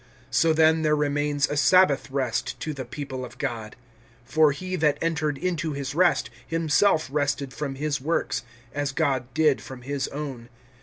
(9)So then, there remains a Sabbath rest to the people of God. (10)For he that entered into his rest, himself rested from his works, as God did from his own.